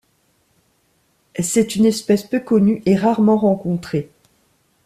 C'est une espèce peu connue et rarement rencontrée.